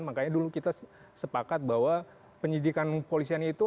makanya dulu kita sepakat bahwa penyidikan polisiannya itu